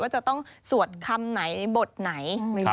จะต้องสวดคำไหนบทไหน